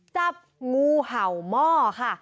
จับงูเห่าหม้อค่ะ